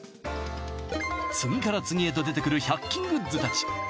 次から次へと出てくる１００均グッズたち